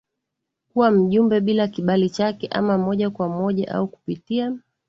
kuwa mjumbe bila kibali chake ama moja kwa moja au kupitia